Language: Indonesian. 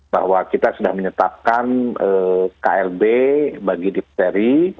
bahwa kita sudah menyetapkan klb bagi diphteri